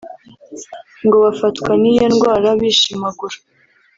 ngo bafatwa n’iyo ndwara bishimagura